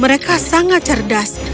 mereka sangat cerdas